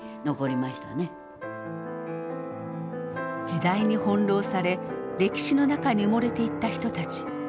時代に翻弄され歴史の中に埋もれていった人たち。